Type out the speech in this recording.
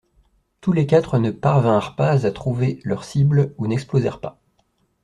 Tous les quatre ne parvinrent pas à trouver leurs cibles ou n’explosèrent pas.